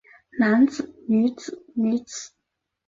男子女子女子